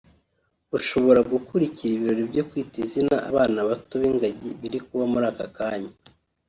ushobora gukurikira ibirori byo Kwita Izina abana bato b’ingagi biri kuba muri aka kanya